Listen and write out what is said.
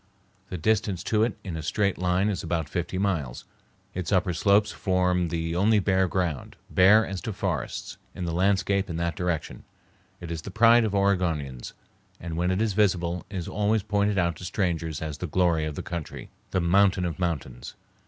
The distance to it in a straight line is about fifty miles. Its upper slopes form the only bare ground, bare as to forests, in the landscape in that direction. It is the pride of Oregonians, and when it is visible is always pointed out to strangers as the glory of the country, the mountain of mountains.